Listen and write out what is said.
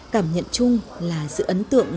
cảm nhận chung là sự ấn tượng